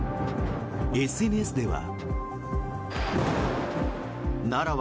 ＳＮＳでは。